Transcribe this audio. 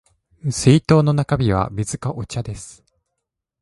水筒の中身は水かお茶です